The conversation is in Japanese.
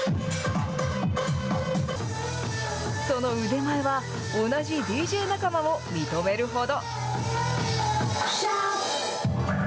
その腕前は、同じＤＪ仲間も認めるほど。